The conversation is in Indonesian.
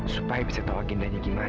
supaya bisa tahu agenda dia gimana